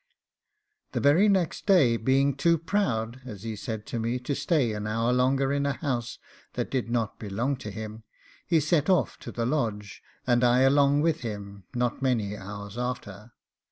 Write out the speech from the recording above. The very next day, being too proud, as he said to me, to stay an hour longer in a house that did not belong to him, he sets off to the Lodge, and I along with him not many hours after.